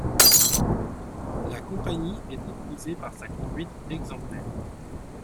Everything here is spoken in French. La Compagnie était prisée pour sa conduite exemplaire.